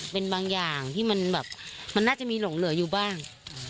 เป็นบางอย่างที่มันแบบมันน่าจะมีหลงเหลืออยู่บ้าง